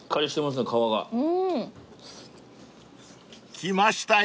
［きましたよ